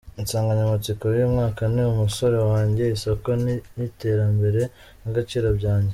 Insanganyamatsiko y’uyu mwaka ni: “Umusoro wanjye, isoko y’iterambere n’agaciro byanjye.